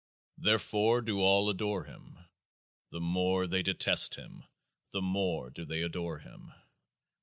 Therefore do all adore him ; the more they detest him the more do they adore him.